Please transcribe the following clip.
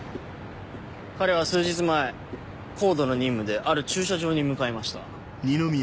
彼は数日前ＣＯＤＥの任務である駐車場に向かいました。